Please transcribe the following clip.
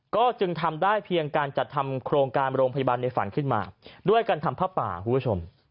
ก็จึงทำได้เพียงการจัดทำโครงการโรงพยาบาลในฝันขึ้นมาด้วยการทำผ้าป่าคุณผู้ชม